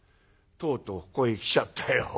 とうとうここへきちゃったよ。